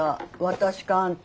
私かあんた。